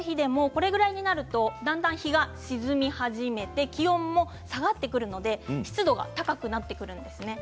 晴れている日でもこれくらいになるとだんだん日が沈み始めて気温も下がってくるので湿度が高くなってくるんですね。